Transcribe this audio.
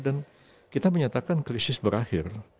dan kita menyatakan krisis berakhir